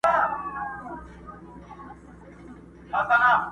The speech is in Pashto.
صوفي او حاکم.!